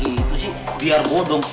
itu sih biar bodong